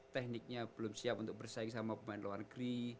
tekniknya belum siap untuk bersaing sama pemain luar negeri